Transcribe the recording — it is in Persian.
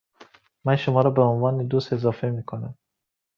من شما را به عنوان دوست اضافه می کنم.